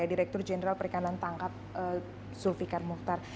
direktur jenderal perikanan tangkap zulfiqar muhtar